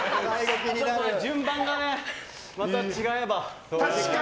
順番がね、また違えば。